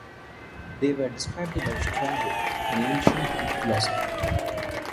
They were described by Strabo, an ancient Greek philosopher.